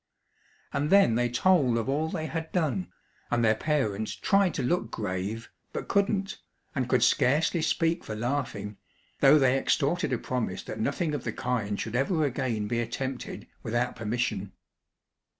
And then they told of all they had done, and their parents tried to look grave, but couldn't, and could scarcely speak for laughing, though they extorted a promise that nothing of the kind should ever again be attempted without permission.